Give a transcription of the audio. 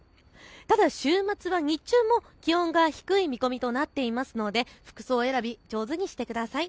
ただ週末は日中も気温が低い見込みとなっているので服装選び、上手にしてください。